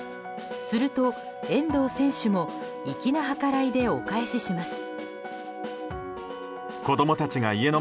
すると、遠藤選手も粋な計らいでお返しします。